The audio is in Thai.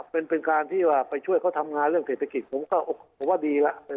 เป็นการที่ว่าไปช่วยเขาทำงานเรื่องเศรษฐกิจผมก็ดีแล้ว